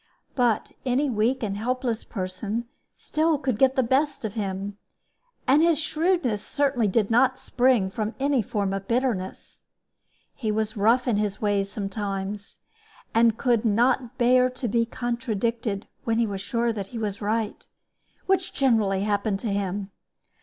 But any weak and helpless person still could get the best of him; and his shrewdness certainly did not spring from any form of bitterness. He was rough in his ways sometimes, and could not bear to be contradicted when he was sure that he was right, which generally happened to him.